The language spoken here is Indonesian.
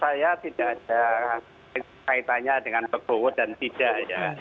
saya tidak ada kaitannya dengan pekut dan tidak